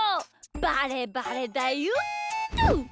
バレバレだよっと！